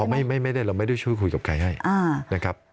ไม่ได้เราไม่ได้ช่วยคุยกับใครให้นะครับ